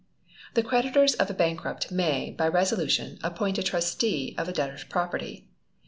The creditors of a bankrupt may, by resolution, appoint a Trustee of the debtor's property.